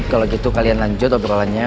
kalau gitu kalian lanjut obrolannya